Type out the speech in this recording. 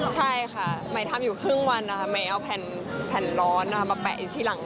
ใช่ค่ะใหม่ทำอยู่ครึ่งวันนะคะใหม่เอาแผ่นร้อนมาแปะอยู่ที่หลัง